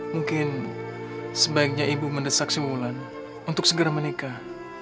mungkin sebaiknya ibu mendesak si wulan untuk segera menikah